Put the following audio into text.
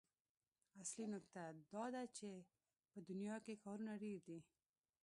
اصلي نکته دا ده چې په دنيا کې کارونه ډېر دي.